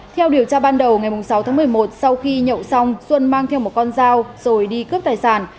theo điều tra ban đầu ngày sáu tháng một mươi một sau khi nhậu xong xuân mang theo một con dao rồi đi cướp tài sản